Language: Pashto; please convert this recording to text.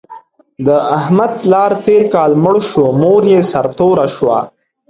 د احمد پلار تېر کال مړ شو، مور یې سرتوره شوه.